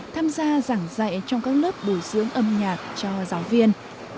tham gia giảng dạy trong các lớp bồi dưỡng âm nhạc cho giáo viên